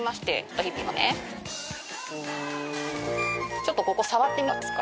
ちょっと引っ張ってみますね。